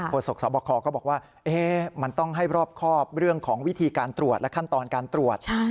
ศกสบคก็บอกว่ามันต้องให้รอบครอบเรื่องของวิธีการตรวจและขั้นตอนการตรวจ